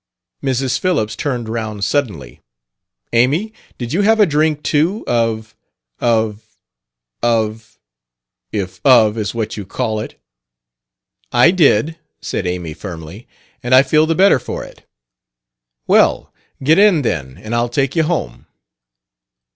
Mrs. Phillips turned round suddenly. "Amy, did you have a drink, too, of of of if 'Of' is what you call it?" "I did," said Amy firmly; "and I feel the better for it." "Well, get in, then, and I'll take you home."